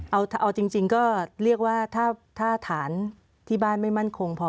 เอาจริงก็เรียกว่าถ้าฐานที่บ้านไม่มั่นคงพอ